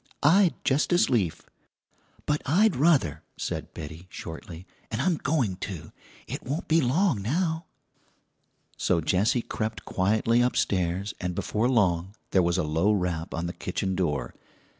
"I'd just as lief." "But I'd ruther," said Betty shortly "'n' I'm going to; it won't be long now." So Jessie crept quietly upstairs, and before long there was a low rap on the kitchen door.